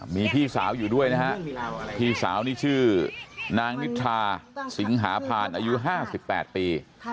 มีพี่สาวอยู่ด้วยนะฮะพี่สาวนี่ชื่อนางนิทราสิงหาพานอายุ๕๘ปี